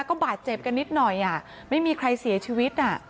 ก็บาดเจ็บกันนิดหน่อยไม่มีใครเสียชีวิต